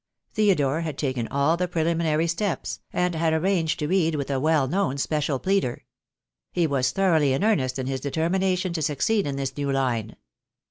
Theodore had taken all the preliminary steps, and had arranged to read with a well known special pleader. He was thoroughly in earnest in his determination to succeed in this new line.